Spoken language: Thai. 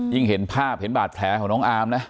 เห็นภาพเห็นบาดแผลของน้องอามนะ